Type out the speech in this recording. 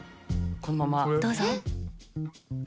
どうぞ。